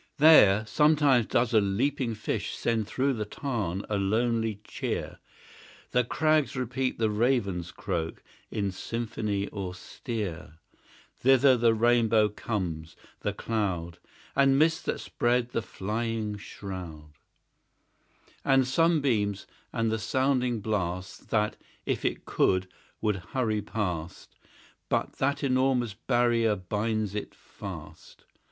There sometimes doth a leaping fish Send through the tarn a lonely cheer; The crags repeat the raven's croak, In symphony austere; Thither the rainbow comes the cloud And mists that spread the flying shroud; And sunbeams; and the sounding blast, That, if it could, would hurry past, But that enormous barrier binds it fast.